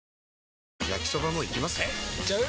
えいっちゃう？